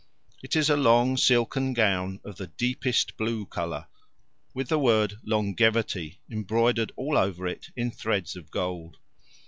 It is a long silken gown of the deepest blue colour, with the word "longevity" embroidered all over it in thread of gold.